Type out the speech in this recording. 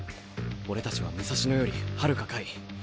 俺たちは武蔵野よりはるか下位。